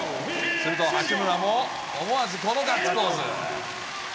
すると、八村も思わずこのガッツポーズ。